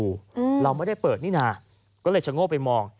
อืมเราไม่ได้เปิดนี่น่ะก็เลยชะโง่ไปมอง